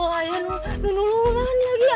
wah ya nunulungan lagi aduh ya